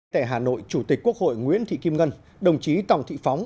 tại hà nội chủ tịch quốc hội nguyễn thị kim ngân đồng chí tòng thị phóng